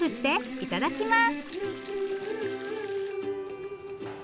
いただきます。